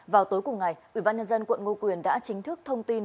vào tối cùng ngày ủy ban nhân dân quận ngô quyền đã chính thức thông tin